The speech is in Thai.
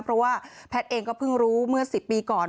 เพราะว่าแพทย์เองก็เพิ่งรู้เมื่อ๑๐ปีก่อน